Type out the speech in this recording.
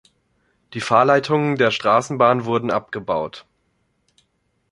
Die Fahrleitungen der Straßenbahn wurden abgebaut.